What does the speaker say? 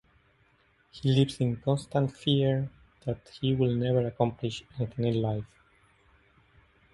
He lives in constant fear that he will never accomplish anything in life.